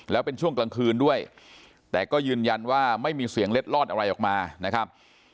แล้วเป็นช่วงกลางคืนด้วยแต่ก็ยืนยันว่าไม่มีเสียงเล็ดลอดอะไรออกมานะครับ